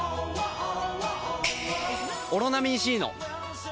「オロナミン Ｃ」の！